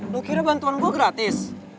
lo kirim bantuan gue gratis